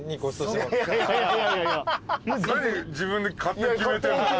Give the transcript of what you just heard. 何自分で勝手に決めてんの。